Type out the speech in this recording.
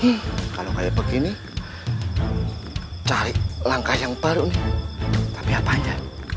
nih kalau kayak begini cari langkah yang baru tapi apa aja